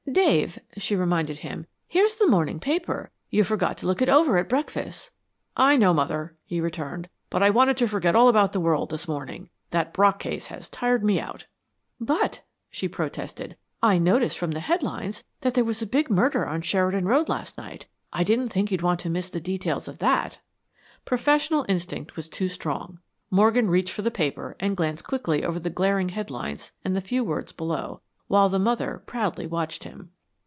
"Dave," she reminded him, "here's the morning paper. You forgot to look it over at breakfast." "I know, Mother," he returned, "but I wanted to forget all about the world this morning. That Brock case has tired me out." "But," she protested, "I notice from the headlines that there was a big murder on Sheridan Road last night. I didn't think you'd want to miss the details of that." Professional instinct was too strong. Morgan reached for the paper and glanced quickly over the glaring headlines and the few words below, while the mother proudly watched him.